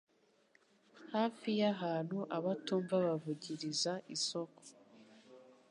hafi y’ahantu abatumva bavugiriza isoko